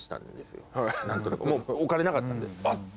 お金なかったんで。